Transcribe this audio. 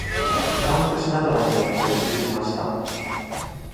フランク・シナトラによって普及しました。